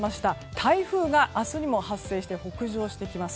台風が明日にも発生して北上してきます。